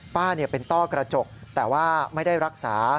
ป้าเป็นต้อกระจกแต่ว่าไม่ได้รักษา